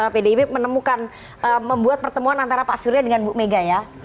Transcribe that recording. pdip menemukan membuat pertemuan antara pak surya dengan bu mega ya